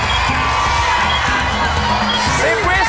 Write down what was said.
แล้วเลือก